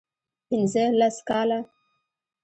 پنځه لس کاله